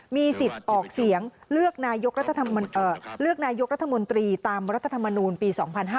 มีสิทธิ์ออกเสียงเลือกนายกรัฐมนตรีตามรัฐธรรมนูลปี๒๕๕๙